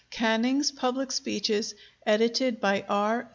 Canning's public speeches, edited by R.